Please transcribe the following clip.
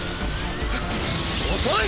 遅い！